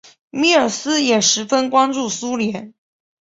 米尔斯也十分关注苏联。